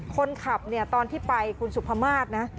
คนขับเนี่ยตอนที่ไปคุณสุภามาศนะ